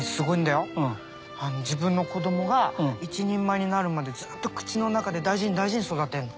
自分の子供が一人前になるまでずっと口の中で大事に大事に育てるの。